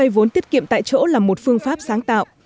vốn tiết kiệm tại chỗ là một phương pháp sáng tạo